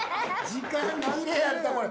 時間切れやったこれ。